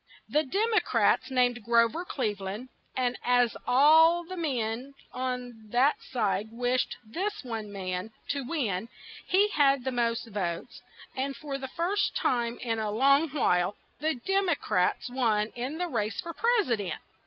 The Dem o crats named Gro ver Cleve land; and as all the men on that side wished this one man to win, he had the most votes; and for the first time in a long while, the Dem o crats won in the race for pres i dent.